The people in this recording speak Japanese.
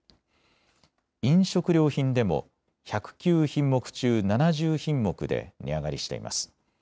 飲食料品でも１０９品目中、７０品目で値上がりしています。